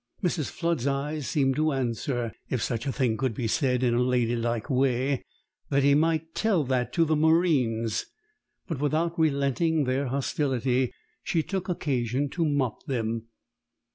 Mrs. Flood's eyes seemed to answer, if such a thing could be said in a ladylike way, that he might tell that to the Marines. But, without relenting their hostility, she took occasion to mop them.